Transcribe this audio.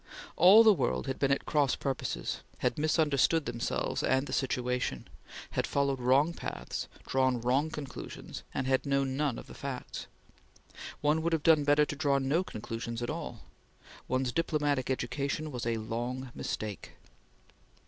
All the world had been at cross purposes, had misunderstood themselves and the situation, had followed wrong paths, drawn wrong conclusions, had known none of the facts. One would have done better to draw no conclusions at all. One's diplomatic education was a long mistake.